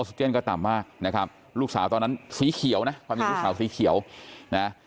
อสเตียนก็ต่ำมากนะครับลูกสาวตอนนั้นสีเขียวนะ